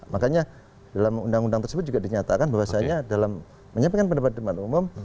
makanya dalam undang undang tersebut juga dinyatakan bahwasannya dalam menyampaikan pendapat di depan umum